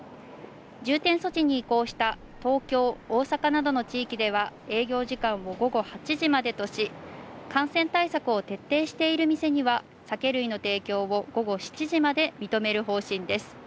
重点措置に移行した東京、大阪などの地域では、営業時間を午後８時までとし、感染対策を徹底している店には酒類の提供を午後７時まで認める方針です。